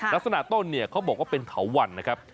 ลักษณะต้นเนี่ยเขาบอกว่าเป็นเถาวันนะครับ